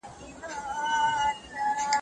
مرتد باید توبه وباسي.